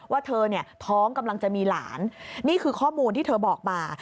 ว่าเธอเนี่ยท้องกำลังจะมีหลานนี่คือข้อมูลที่เธอบอกมา